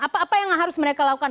apa apa yang harus mereka lakukan